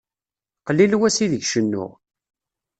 Qlil wass ideg cennuɣ.